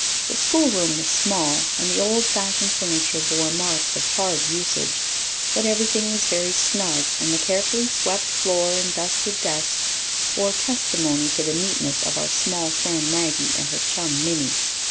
The schoolroom was small, and the old fashioned furniture bore marks of hard usage; but everything was very snug, and the carefully swept floor and dusted desks bore testimony to the neatness of our small friend Maggie and her chum Minnie.